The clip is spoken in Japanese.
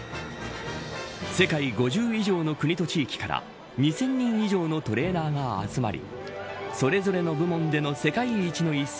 世界５０以上の国と地域から２０００人以上のトレーナーが集まりそれぞれの部門での世界一の椅子